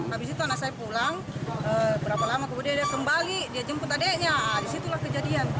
habis itu anak saya pulang berapa lama kemudian dia kembali dia jemput adiknya disitulah kejadian